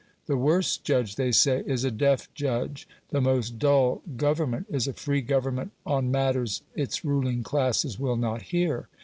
The worst judge, they say, is a deaf judge; the most dull Government is a free Government on matters its ruling classes will not hear.